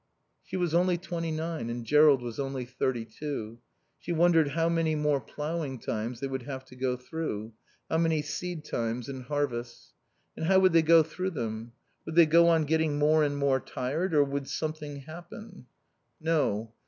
She was only twenty nine and Jerrold was only thirty two. She wondered how many more ploughing times they would have to go through, how many seed times and harvests. And how would they go through them? Would they go on getting more and more tired, or would something happen? No.